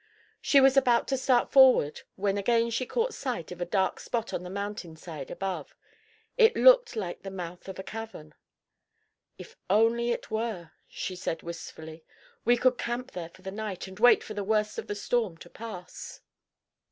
She was about to start forward when again she caught sight of a dark spot on the mountain side above. It looked like the mouth of a cavern. "If only it were," she said wistfully, "we would camp there for the night and wait for the worst of the storm to pass."